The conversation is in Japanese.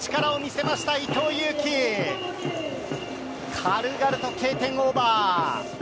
軽々とＫ点オーバー！